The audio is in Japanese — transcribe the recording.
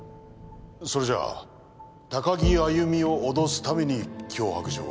それじゃ高城歩を脅すために脅迫状を。